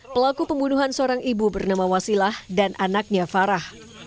pelaku pembunuhan seorang ibu bernama wasilah dan anaknya farah